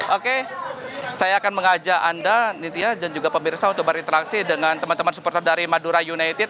oke saya akan mengajak anda nitia dan juga pemirsa untuk berinteraksi dengan teman teman supporter dari madura united